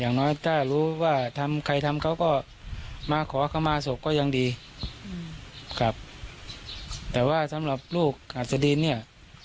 อย่างน้อยถ้ารู้ว่าทำใครทำเขาก็มาขอเข้ามาศพก็ยังดีครับแต่ว่าสำหรับลูกอัศดินเนี่ย